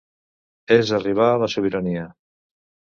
És arribar a la sobirania.